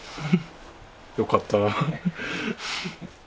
よかったら。